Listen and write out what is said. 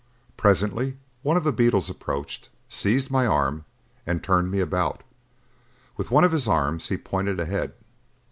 Presently one of the beetles approached, seized my arm and turned me about. With one of his arms he pointed ahead.